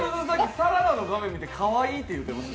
サラダの画面見てかわいい言うてました。